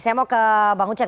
saya mau ke bang ucet